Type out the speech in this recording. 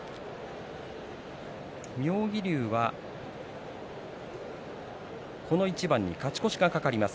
妙義龍はこの一番に勝ち越しが懸かります。